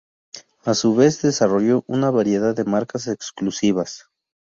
A su vez, desarrolló una variedad de marcas exclusivas.